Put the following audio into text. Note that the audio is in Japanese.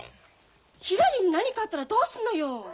ひらりに何かあったらどうすんのよ！？